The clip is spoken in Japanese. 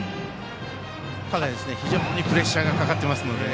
ただ、非常にプレッシャーがかかっていますので。